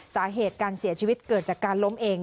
สาเหตุการเสียชีวิตเกิดจากการล้มเอง